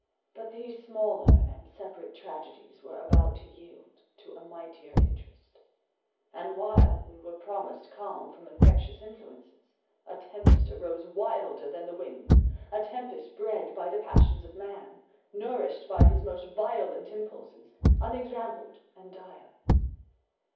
But these smaller and separate tragedies were about to yield to a mightier interest—and, while we were promised calm from infectious influences, a tempest arose wilder than the winds, a tempest bred by the passions of man, nourished by his most violent impulses, unexampled and dire.